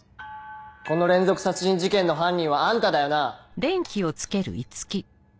この連続殺人事件の犯人はあんただよな？